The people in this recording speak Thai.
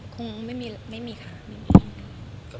อ๋อคงไม่มีรึไม่มีค่ะ